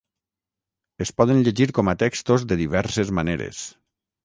Es poden llegir com a textos de diverses maneres.